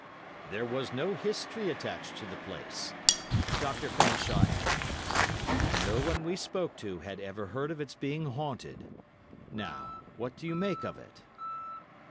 "There was no history attached to the place," Dr. Fanshawe added, "and no one we spoke to had ever heard of its being haunted. Now, what do you make of it?"